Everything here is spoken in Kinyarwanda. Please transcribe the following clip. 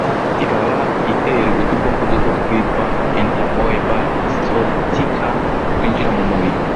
Ikaba iterwa n'udukoko duto twitwa 'Entamoeba Histolytica' twinjira mu mubiri